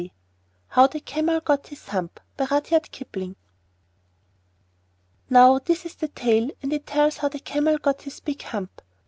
HOW THE CAMEL GOT HIS HUMP NOW this is the next tale, and it tells how the Camel got his big hump.